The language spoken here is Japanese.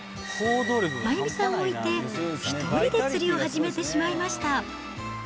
眞由美さんを置いて、１人で釣りを始めてしまいました。